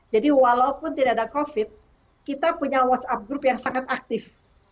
jadi walaupun tidak ada covid sembilan belas kita punya whatsapp group yang sangat aktif